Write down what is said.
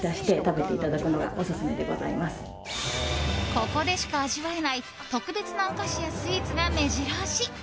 ここでしか味わえない特別なお菓子やスイーツが目白押し。